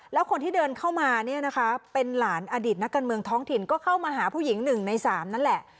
แล้วคนที่เดินเข้ามาเนี่ยนะคะเป็นหลานอดีตนักการเมืองท้องถิ่นก็เข้ามาหาผู้หญิง๑ใน๓นั่นแหละ